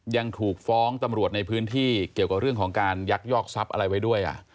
ยังถูกฟ้องตำรวจในพื้นที่เกี่ยวกับเรื่องของการยักยอกทรัพย์อะไรไว้ด้วย